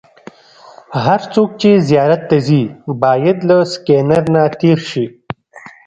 هر څوک چې زیارت ته ځي باید له سکېنر نه تېر شي.